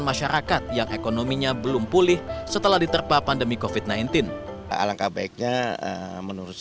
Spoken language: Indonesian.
masyarakat yang ekonominya belum pulih setelah diterpa pandemi kofit sembilan belas alangkah baiknya menurut